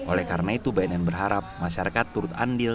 oleh karena itu bnn berharap masyarakat turut andil